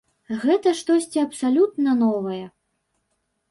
Гэта штосьці абсалютна новае.